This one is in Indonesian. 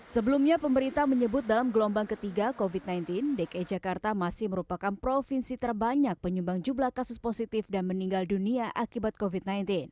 sebelumnya pemerintah menyebut dalam gelombang ketiga covid sembilan belas dki jakarta masih merupakan provinsi terbanyak penyumbang jumlah kasus positif dan meninggal dunia akibat covid sembilan belas